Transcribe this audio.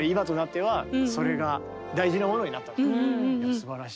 すばらしい。